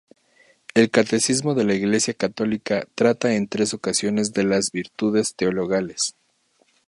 El Catecismo de la Iglesia católica trata en tres ocasiones de las virtudes teologales.